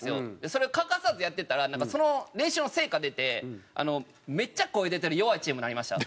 それを欠かさずやってたらなんかその練習の成果出てめっちゃ声出てる弱いチームになりました。